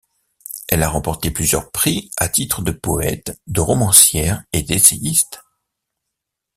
Elle a remporté plusieurs prix à titre de poète, de romancière et d'essayiste.